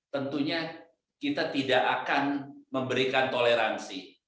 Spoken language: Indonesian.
tentunya kita tidak akan memberikan toleransi